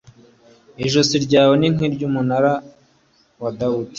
ijosi ryawe ni nk'umunara wa dawudi